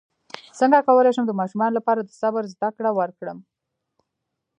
څنګه کولی شم د ماشومانو لپاره د صبر زدکړه ورکړم